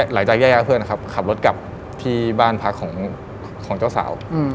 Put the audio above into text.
หลังจากแยกเพื่อนนะครับขับรถกลับที่บ้านพักของเจ้าสาว